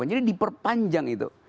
jadi diperpanjang itu